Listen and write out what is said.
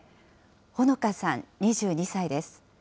ほのかさん２２歳です。